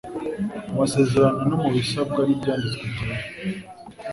mu masezerano no mu bisabwa n’Ibyanditswe byera.